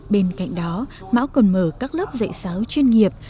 bên cạnh đó mão còn mở các lớp dạy xáo chuyên nghiệp